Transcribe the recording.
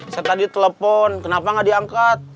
saya tadi telepon kenapa nggak diangkat